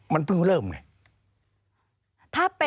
มันเพิ่งเริ่มไง